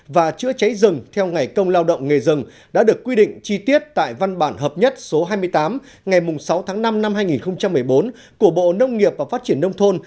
và chữa cháy rừng theo ngày công lao động nghề rừng đã được quy định chi tiết tại văn bản hợp nhất số hai mươi tám ngày sáu tháng năm năm hai nghìn một mươi bốn của bộ nông nghiệp và phát triển nông thôn